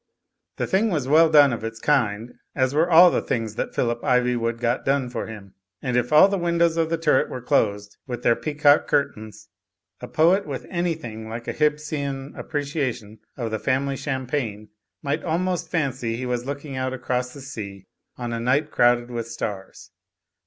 The thing was well done of its kind (as were all the things that Phillip Ivywood got done for him) ; and if all the windows of the turret were closed with their peacock curtains, a poet with anything like a Hibbsian appreciation of the family champagne might almost fancy he was looking out across the sea on a night crowded with stars.